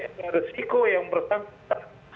ada resiko yang bersangkutan